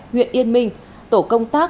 huyện yên minh tổ công tác